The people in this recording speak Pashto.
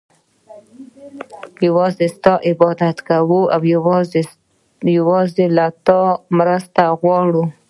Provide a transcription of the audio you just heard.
يوازي ستا عبادت كوو او يوازي له تا مرسته غواړو